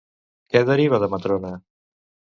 Què deriva de Matrona?